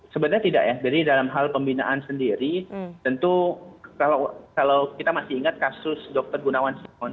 sebenarnya tidak ya jadi dalam hal pembinaan sendiri tentu kalau kita masih ingat kasus dr gunawan setiawan